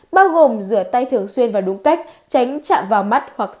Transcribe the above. bao gồm rửa tay thường xuyên và đúng cách tránh chạm vào mắt hoặc